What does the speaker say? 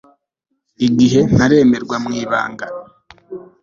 igihe naremerwaga mu ibanga